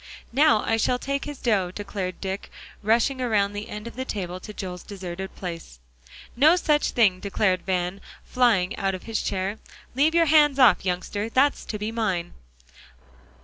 "Now I shall take his dough," declared Dick, rushing around the end of the table to Joel's deserted place. "No such thing," declared Van, flying out of his chair. "Leave your hands off, youngster! that's to be mine."